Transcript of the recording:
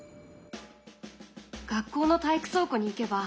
学校の体育倉庫に行けば。